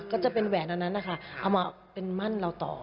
ก็จะเป็นแหวนอันนั้นนะคะเอามาเป็นมั่นเราต่อ